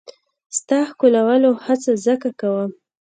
ستا ښکلولو هڅه ځکه کوم.